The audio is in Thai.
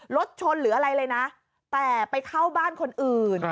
รถชนหรืออะไรเลยนะแต่ไปเข้าบ้านคนอื่น